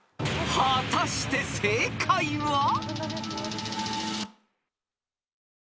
［果たして正解は？］